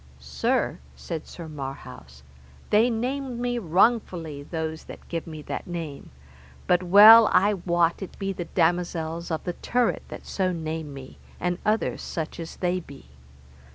Sir, said Sir Marhaus, they name me wrongfully those that give me that name, but well I wot it be the damosels of the turret that so name me, and other such as they be.